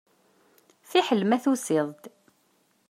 Fiḥel ma tusiḍ-d.